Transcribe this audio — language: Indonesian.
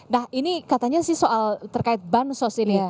nah ini katanya sih soal terkait bansos ini